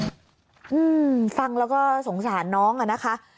อืมฟังแล้วก็สงสารน้องอ่ะนะคะ